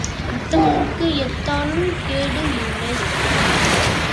உத்தமனுக்கு எத்தாலும் கேடு இல்லை.